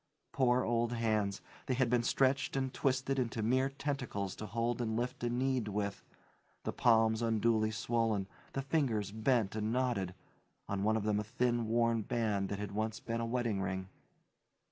Poor old hands! They had been stretched and twisted into mere tentacles to hold and lift and knead with; the palms unduly swollen, the fingers bent and knotted on one of them a thin, worn band that had once been a wedding ring.